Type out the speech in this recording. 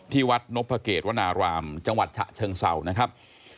ที่วัดนพเกตวนารามจังหวัดฉะเชิงเศร้านะครับ